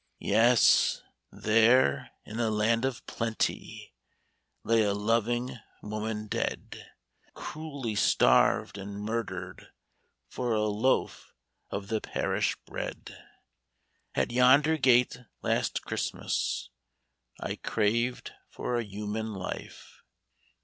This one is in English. " Yes, there, in a land of plenty. Lay a loving woman dead. Cruelly starved and murdered For a loaf of the parish bread. IN THE WORKHOUSE. IS At yonder gate, last Christmas, I craved for a human life.